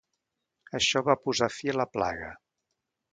Això va posar fi a la plaga.